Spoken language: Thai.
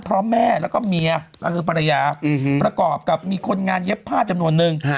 แม่แล้วก็เมียก็คือภรรยาประกอบกับมีคนงานเย็บผ้าจำนวนนึง